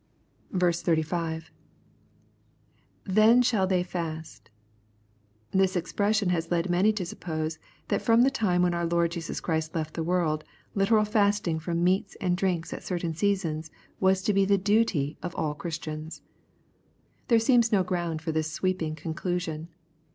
35. — [Then shall they fast,] This expression has led many to suppose that from the time when our Lord Jesus Christ left the world, literal fasting from meats and drinks at certain seasons, was to be the duty of all Christians. There seems no ground for this sweeping conclusion.